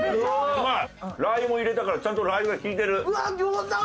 ラー油も入れたからちゃんとラー油が利いてる。